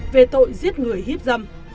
về tội giết người hiếp dâm